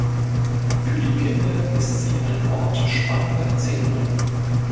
Für die Kinder ist sie ein Hort spannender Erzählungen.